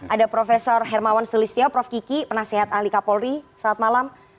ada prof hermawan sulistyo prof kiki penasehat ahli kapolri selamat malam